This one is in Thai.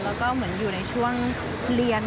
แล้วก็เหมือนอยู่ในช่วงเรียน